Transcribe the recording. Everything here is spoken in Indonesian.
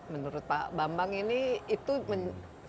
menurut pak bambang ini itu menurut pak bambang